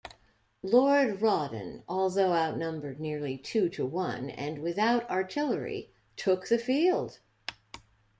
Lord Rawdon, although outnumbered nearly two to one, and without artillery, took the field.